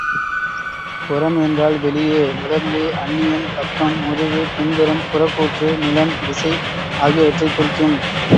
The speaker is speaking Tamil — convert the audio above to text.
புறம் என்றால் வெளியே. உடம்பு, அன்னியம், பக்கம், முதுகு, பின்புறம், புறக்கூற்று, நிலம், திசை ஆகியவற்றைக் குறிக்கும்.